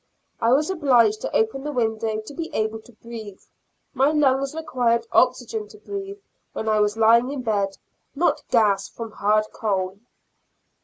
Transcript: I was obliged to open the window to be able to breathe; my lungs required oxygen to breathe when I was lying in bed, not gas from hard coal.